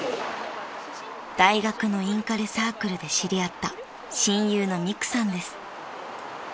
［大学のインカレサークルで知り合った親友のみくさんです］